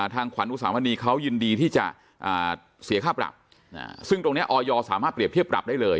ขวัญอุสามณีเขายินดีที่จะเสียค่าปรับซึ่งตรงนี้ออยสามารถเปรียบเทียบปรับได้เลย